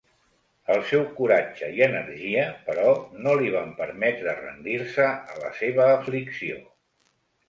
El seu coratge i energia, però, no li van permetre rendir-se a la seva aflicció.